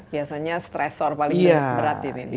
biasanya stressor paling berat ini di lingkungan kerja